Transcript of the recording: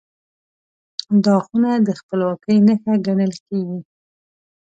دا خونه د خپلواکۍ نښه ګڼل کېږي.